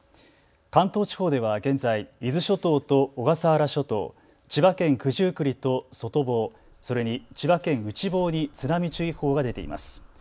関東地方では現在、伊豆諸島と小笠原諸島、千葉県九十九里と外房、それに千葉県内房に津波注意報が出ています。